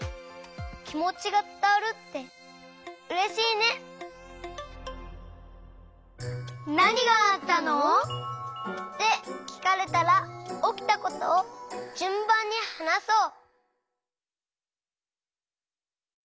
きもちがつたわるってうれしいね！ってきかれたらおきたことをじゅんばんにはなそう！